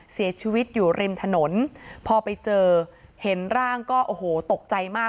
เสียชีวิตอยู่ริมถนนพอไปเจอเห็นร่างก็โอ้โหตกใจมาก